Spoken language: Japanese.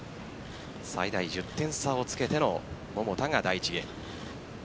最大１０点差をつけての桃田が第１ゲーム。